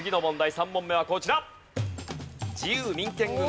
３問目はこちら。